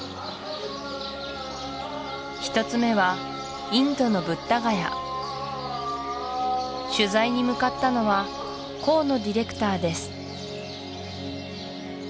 １つ目はインドのブッダガヤ取材に向かったのは河野ディレクターです